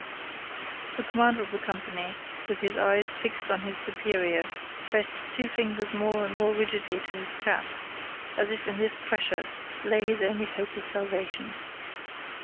The commander of the company, with his eyes fixed on his superior, pressed two fingers more and more rigidly to his cap, as if in this pressure lay his only hope of salvation.